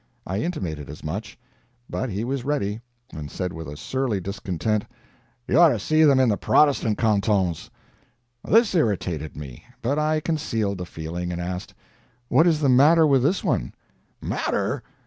I intimated as much; but he was ready, and said with surly discontent: "You ought to see them in the Protestant cantons." This irritated me. But I concealed the feeling, and asked: "What is the matter with this one?" "Matter?